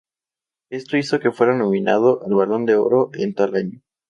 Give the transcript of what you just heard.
Esto hizo que fuera nominado al Balon de Oro en tal año.